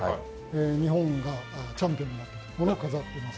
日本がチャンピオンになった時のものを飾ってます。